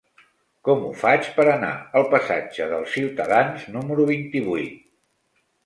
Com ho faig per anar al passatge dels Ciutadans número vint-i-vuit?